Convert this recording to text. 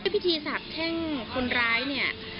พิธีศักดิ์เช่งคนร้ายเนี่ย